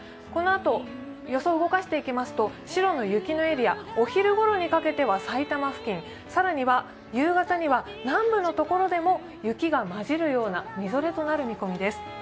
このあと、予想を動かしていきますと、白の雪のエリア、お昼ごろにかけては埼玉付近更には夕方には南部のところでも雪が交じるようなみぞれとなる見込みです。